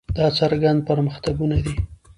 دا څرګند پرمختګونه دي.